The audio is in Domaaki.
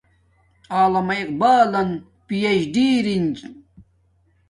علامہ اقبالن پی ایچ دی ارین